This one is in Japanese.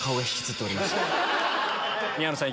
宮野さん